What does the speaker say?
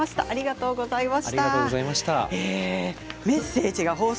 ありがとうございます。